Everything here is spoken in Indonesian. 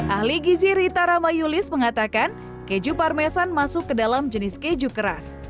ahli gizi rita ramayulis mengatakan keju parmesan masuk ke dalam jenis keju keras